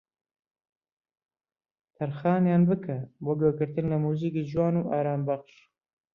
تەرخانیان بکە بۆ گوێگرتن لە موزیکی جوان و ئارامبەخش